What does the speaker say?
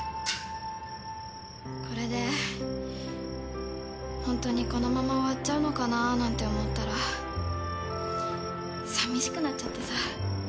これでホントにこのまま終わっちゃうのかななんて思ったらさみしくなっちゃってさ。